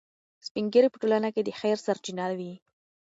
سپین ږیري په ټولنه کې د خیر سرچینه وي.